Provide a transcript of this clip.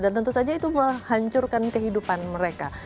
dan tentu saja itu menghancurkan kehidupan mereka